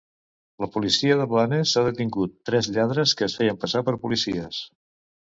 La policia de Blanes ha detingut tres lladres que es feien passar per policies.